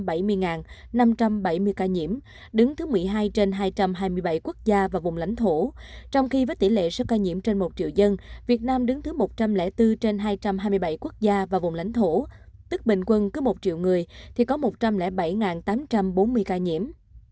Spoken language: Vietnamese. trong thứ một mươi hai trên hai trăm hai mươi bảy quốc gia và vùng lãnh thổ trong khi với tỷ lệ số ca nhiễm trên một triệu dân việt nam đứng thứ một trăm linh bốn trên hai trăm hai mươi bảy quốc gia và vùng lãnh thổ tức bình quân cứ một triệu người thì có một trăm linh bảy tám trăm bốn mươi ca nhiễm